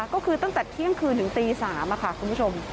ก็คือตั้งแต่เที่ยงคืนถึงตี๓ค่ะคุณผู้ชม